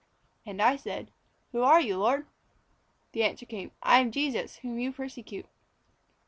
"And I said, 'Who are you, Lord?' "The answer came: 'I am Jesus, whom you persecute.'"